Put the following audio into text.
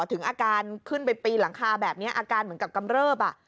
ถึงอาการขึ้นไปปีนหลังคาแบบนี้อาการเหมือนกับกำเริบ